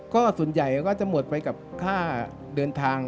ก็ส่วนใหญ่ก็จะหมดไปกับค่าเดินทาง